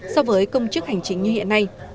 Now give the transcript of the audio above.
so với công chức hành chính như hiện nay